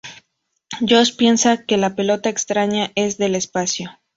Josh piensa que la pelota extraña es del espacio.